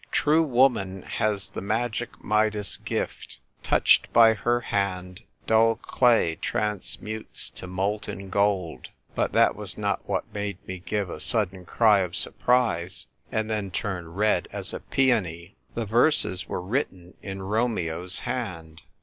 " True woman has the magic Midas gift ; Touched by her hand, dull clay transmutes to molten gold." But that was not what made me give a sudden cry of surprise, and then turn red as a peony. The verses were written in Romeo's hand.